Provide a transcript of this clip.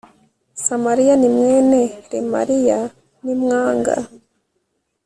Samariya ni mwene Remaliya Nimwanga